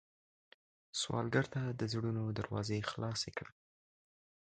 سوالګر ته د زړونو دروازې خلاصې کړه